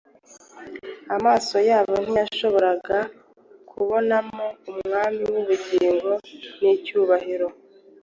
amaso yabo ntiyashoboraga kubonamo Umwami w’ubugingo n’icyubahiro